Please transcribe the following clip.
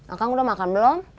akang udah makan belum